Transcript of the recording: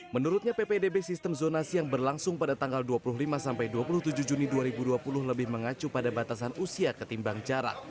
menurutnya ppdb sistem zonasi yang berlangsung pada tanggal dua puluh lima sampai dua puluh tujuh juni dua ribu dua puluh lebih mengacu pada batasan usia ketimbang jarak